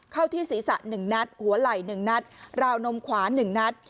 เข้าที่ศรีษะหนึ่งนัดหัวไหล่หนึ่งนัดราวนมขวานหนึ่งนัด